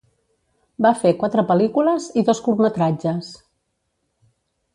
Va fer quatre pel·lícules i dos curtmetratges.